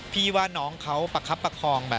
พี่ว่าน้องเขาประคับประคองแบบ